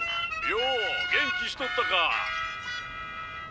「よお元気しとったか」